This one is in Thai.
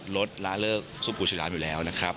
ลดละเลิกซุปปูฉลามอยู่แล้วนะครับ